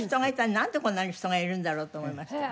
なんでこんなに人がいるんだろうと思いました。